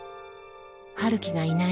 陽樹がいない